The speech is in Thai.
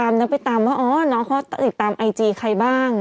บางคนไปตามแล้วก็ตามไอจีใครบ้าง